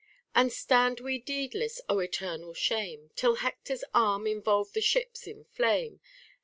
TO HEAR POEMS. 79 And stand we deedless, Ο eternal shame! Till Hector's arm involve the ships in flame?